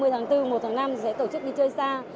ba mươi tháng bốn một tháng năm sẽ tổ chức đi chơi xa